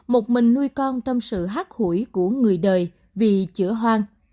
một mình nuôi con trong sự hát hủi của người đời vì chữa hoang